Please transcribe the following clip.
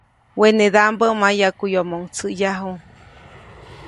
Wenedaʼmbä mayaʼkuyomoʼuŋ tsäʼyaju.